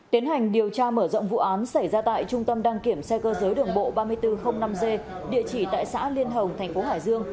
tiến hành điều tra mở rộng vụ án xảy ra tại trung tâm đăng kiểm xe cơ giới đường bộ ba nghìn bốn trăm linh năm g địa chỉ tại xã liên hồng thành phố hải dương